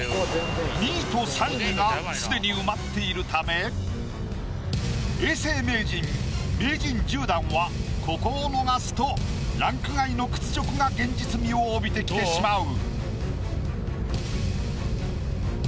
２位と３位がすでに埋まっているため永世名人名人１０段はここを逃すとランク外の屈辱が現実味を帯びてきてしまう。